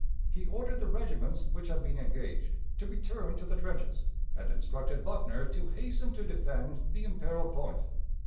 He ordered the regiments which had been engaged to return to the trenches, and instructed Buckner to hasten to defend the imperiled point.